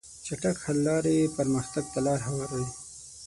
چټک حل لارې پرمختګ ته لار هواروي.